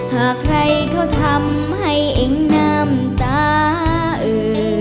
หากใครเขาทำให้เองน้ำตาอื่น